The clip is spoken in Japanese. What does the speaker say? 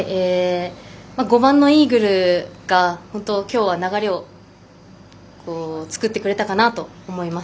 ５番のイーグルがきょうは流れを作ってくれたかなと思います。